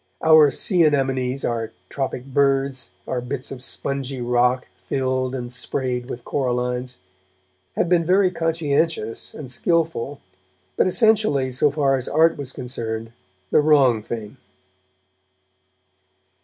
Our sea anemones, our tropic birds, our bits of spongy rock filled and sprayed with corallines, had been very conscientious and skilful, but, essentially, so far as art was concerned, the wrong thing.